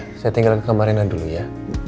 udah deh saya tinggalin ke kamar rina dulu ya